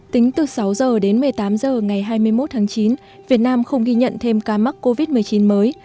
tính từ sáu h đến một mươi tám h ngày hai mươi một tháng chín việt nam không ghi nhận thêm ca mắc covid một mươi chín mới